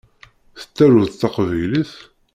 Tettaruḍ taqbaylit?